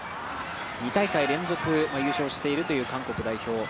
２大会連続優勝しているという韓国代表。